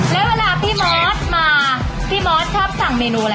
แล้วเวลาพี่มอสมาพี่มอสชอบสั่งเมนูอะไร